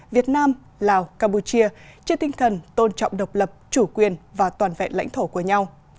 việt nam lào campuchia trên tinh thần tôn trọng độc lập chủ quyền và toàn vẹn lãnh thổ của nhau